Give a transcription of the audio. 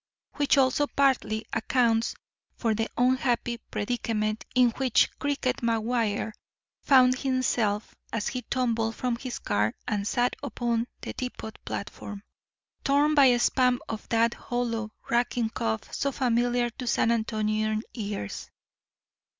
Which also partly accounts for the unhappy predicament in which "Cricket" McGuire found himself as he tumbled from his car and sat upon the depot platform, torn by a spasm of that hollow, racking cough so familiar to San Antonian ears.